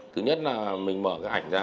thứ nhất là mình mở cái ảnh ra